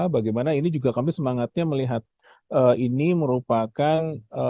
bagaimana ini juga kami semangatnya melihat ini merupakan